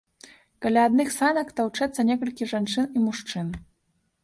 Каля адных санак таўчэцца некалькі жанчын і мужчын.